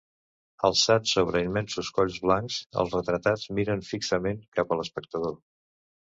Alçats sobre immensos colls blancs, els retratats miren fixament cap a l'espectador.